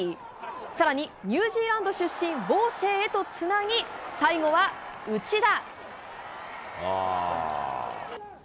さらに、ニュージーランド出身、ボーシェーへとつなぎ、最後は内田。